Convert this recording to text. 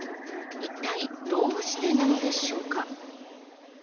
いったいどうしてなのでしょうか。